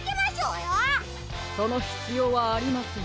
そのひつようはありません。